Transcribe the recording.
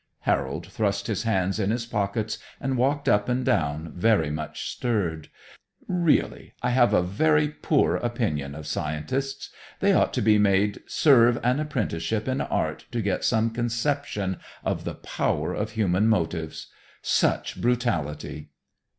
Harold thrust his hands in his pockets and walked up and down, very much stirred. "Really, I have a very poor opinion of scientists. They ought to be made serve an apprenticeship in art, to get some conception of the power of human motives. Such brutality!"